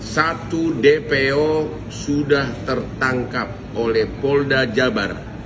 satu dpo sudah tertangkap oleh polda jabar